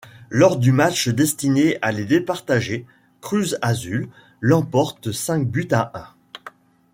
Lors du match destiné à les départager, Cruz Azul l'emporte cinq buts à un.